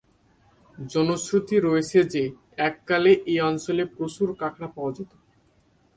জনশ্রুতি আছে যে, এককালে এ অঞ্চলে প্রচুর কাঁকড়া পাওয়া যেত।